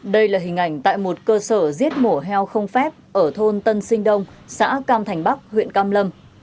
đây là hình ảnh tại một cơ sở giết mổ heo không phép ở thôn tân sinh đông xã cam thành bắc huyện cam lâm